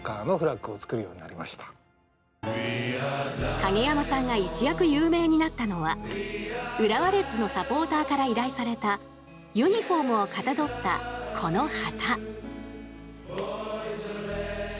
影山さんが一躍有名になったのは浦和レッズのサポーターから依頼されたユニフォームをかたどったこの旗。